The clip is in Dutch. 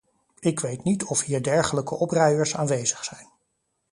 Ik weet niet of hier dergelijke opruiers aanwezig zijn.